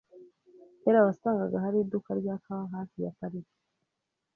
Kera wasangaga hari iduka rya kawa hafi ya parike .